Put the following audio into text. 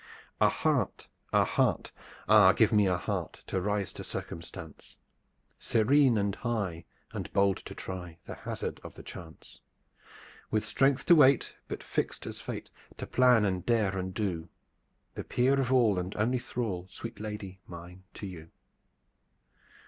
A heart! A heart! Ah, give me a heart To rise to circumstance! Serene and high and bold to try The hazard of the chance, With strength to wait, but fixed as fate To plan and dare and do, The peer of all, and only thrall, Sweet lady mine, to you!